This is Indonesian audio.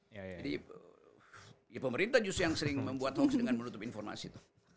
jadi pemerintah yang sering membuat hoax dengan menutup informasi